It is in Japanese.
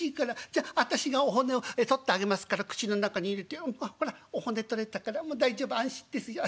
『じゃ私がお骨を取ってあげますから口の中に入れてほらお骨取れたからもう大丈夫安心ですよ。